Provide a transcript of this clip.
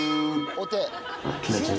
お手？